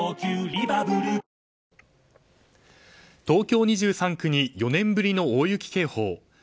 東京２３区に４年ぶりの大雪警報。